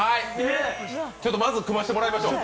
まず組ませてもらいましょう。